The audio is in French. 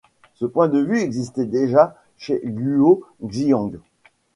Ce point de vue existait déjà chez Guo Xiang.